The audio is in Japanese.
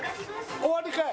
終わりかい！